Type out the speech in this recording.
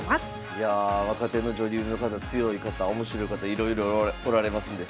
いや若手の女流の方強い方面白い方いろいろおられますんで。